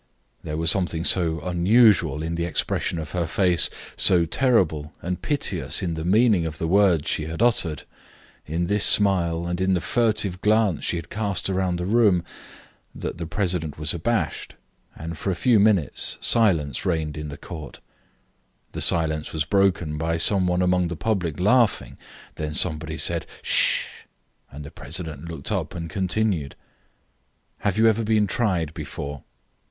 There was something so unusual in the expression of her face, so terrible and piteous in the meaning of the words she had uttered, in this smile, and in the furtive glance she had cast round the room, that the president was abashed, and for a few minutes silence reigned in the court. The silence was broken by some one among the public laughing, then somebody said "Ssh," and the president looked up and continued: "Have you ever been tried before?"